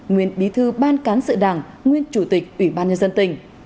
nguyên bí thư ban cán sự đảng nguyên chủ tịch ủy ban nhân dân tỉnh